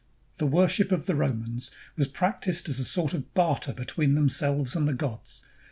The worship of the Romans was practiced as a sort of barter between themselves and the gods.